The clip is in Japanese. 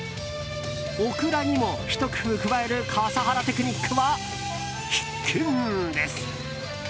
オクラにもひと工夫加える笠原テクニックは必見です。